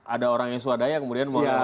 ada orang yang swadaya kemudian